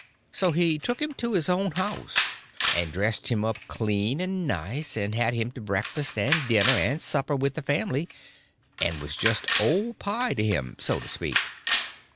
So he took him to his own house, and dressed him up clean and nice, and had him to breakfast and dinner and supper with the family, and was just old pie to him, so to speak.